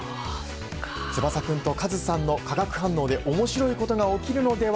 翼君とカズさんの化学反応で面白いことが起きるのでは？